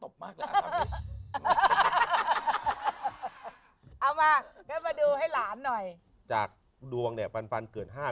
เพื่อที่จะมองสูง